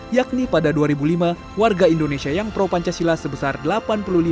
yakni pada dua ribu lima warga indonesia yang berada di dalam negara ini berada di dalam negara ini